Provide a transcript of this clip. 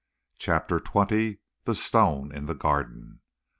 CHAPTER XX. THE STONE IN THE GARDEN.